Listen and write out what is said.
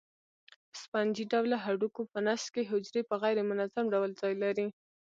په سفنجي ډوله هډوکو په نسج کې حجرې په غیر منظم ډول ځای لري.